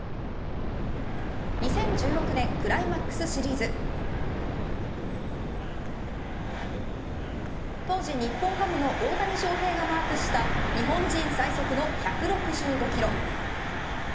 ２０１６年クライマックスシリーズ。当時日本ハムの大谷翔平がマークした日本人最速の１６５キロ。